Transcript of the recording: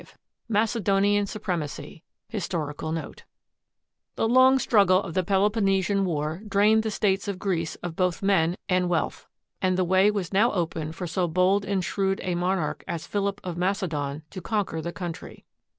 V MACEDONIAN SUPREMACY HISTORICAL NOTE The long struggle of the Peloponnesian War drained the states of Greece of both men and wealth, and the way was now open for so bold and shrewd a monarch as Philip of Macedon to conquer the country.